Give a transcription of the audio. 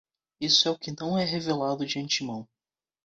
Isto é o que não é revelado de antemão.